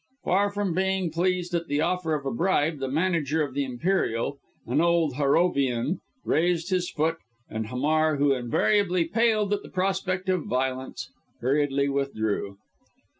Far from being pleased at the offer of a bribe, the manager of the Imperial, an old Harrovian, raised his foot, and Hamar, who invariably paled at the prospect of violence, hurriedly withdrew.